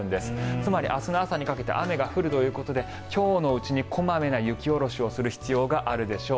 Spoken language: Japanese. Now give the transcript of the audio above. つまり、明日の朝にかけて雨が降るということで今日のうちに小まめな雪下ろしをする必要があるでしょう。